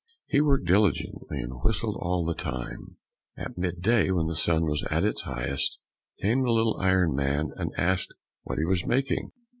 He worked diligently, and whistled all the time. At mid day, when the sun was at the highest, came the little iron man and asked what he was making?